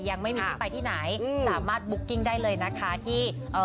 ยังไม่มีที่ไปที่ไหนอืมสามารถบุ๊กกิ้งได้เลยนะคะที่เอ่อ